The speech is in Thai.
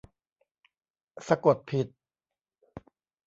สะกดผิด